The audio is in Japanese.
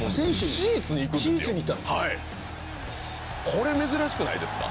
これ珍しくないですか？